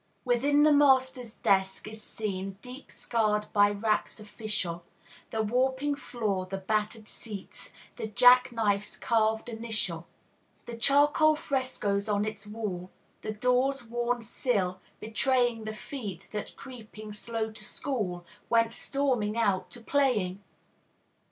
Within, the master's desk is seen, Deep scarred by raps official; The warping floor, the battered seats, The jack knife's carved initial; The charcoal frescoes on its wall; Its door's worn sill, betraying The feet that, creeping slow to school, Went storming out to playing!